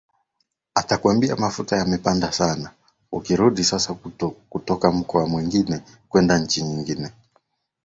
atakwambia mafuta yamepanda sana ukirudi sasa kutoka mkoa mwingine kwenda nchi nyingine